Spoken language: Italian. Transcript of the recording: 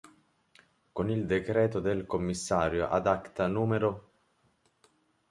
Con il decreto del commissario ad acta n.